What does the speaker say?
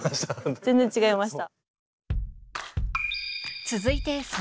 全然違いました。